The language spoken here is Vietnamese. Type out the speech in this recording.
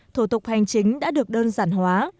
thủ tục hành chính đã được đơn giản hóa